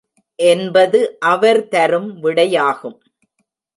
என்பது அவர் தரும் விடையாகும்.